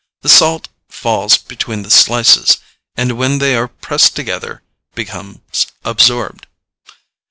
The salt falls between the slices, and when they are pressed together becomes absorbed.